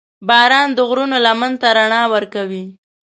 • باران د غرونو لمن ته رڼا ورکوي.